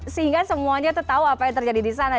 sehingga semuanya itu tahu apa yang terjadi di sana